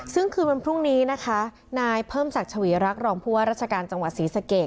ซึ่งคืนวันพรุ่งนี้นะคะนายเพิ่มศักดิ์ชวีรักษ์รองผู้ว่าราชการจังหวัดศรีสะเกด